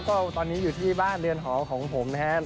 ก็ตอนนี้อยู่ที่บ้านเรือนหอของผมนะครับ